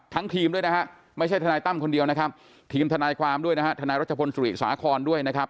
ทีมด้วยนะฮะไม่ใช่ทนายตั้มคนเดียวนะครับทีมทนายความด้วยนะฮะทนายรัชพลสุริสาครด้วยนะครับ